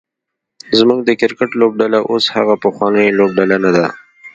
زمونږ د کرکټ لوبډله اوس هغه پخوانۍ لوبډله نده